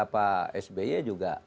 pak sby juga